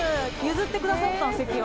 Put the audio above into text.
譲ってくださった席を。